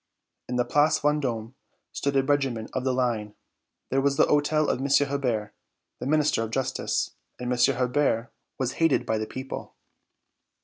In the Place Vendôme stood a regiment of the Line. There was the hôtel of M. Hebert, the Minister of Justice, and M. Hebert was hated by the people.